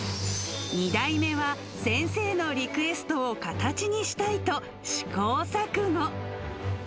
２代目は、先生のリクエストを形にしたいと、試行錯誤。